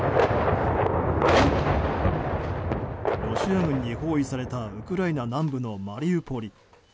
ロシア軍に包囲されたウクライナ南部のマリウポリ。